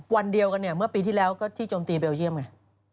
วันเดียวกันเนี่ยเมื่อปีที่แล้วก็ที่โจมตีเบลเยี่ยมไง